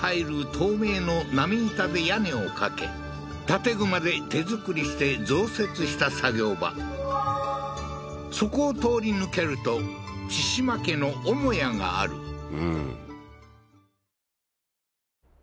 透明の波板で屋根をかけ建具まで手造りして増設した作業場そこを通り抜けると千島家の母屋がある言いますねぇ。